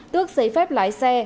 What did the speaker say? tước giấy phép lái xe